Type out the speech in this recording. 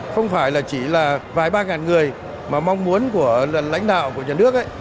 không phải là chỉ là vài ba ngàn người mà mong muốn của lãnh đạo của nhà nước